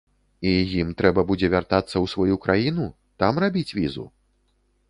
І ім трэба будзе вяртацца ў сваю краіну, там рабіць візу?